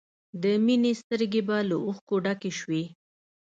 د مینې سترګې به له اوښکو ډکې شوې